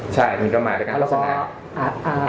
ใช่มินต้องมาด้วยการพัฒนา